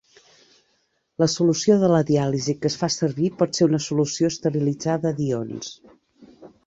La solució de la diàlisi que es fa servir pot ser una solució esterilitzada d'ions.